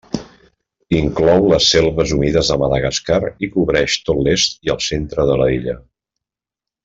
Inclou les selves humides de Madagascar i cobreix tot l'est i el centre de l'illa.